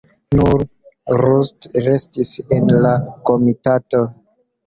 Nur Rust restis en la komitato.